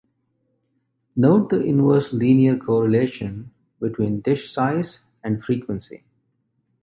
Note the inverse linear correlation between dish size and frequency.